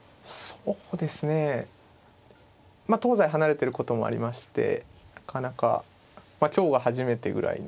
そうですねまあ東西離れてることもありましてなかなか今日が初めてぐらいの。